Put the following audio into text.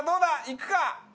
いくか？